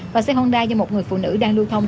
và xe honda do một người phụ nữ đang lưu thông